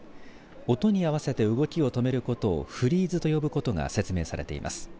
音に合わせて動きを止めることをフリーズと呼ぶことが説明されています。